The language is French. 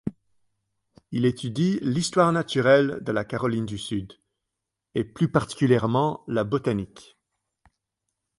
Il étudie l’histoire naturelle de la Caroline du Sud et plus particulièrement la botanique.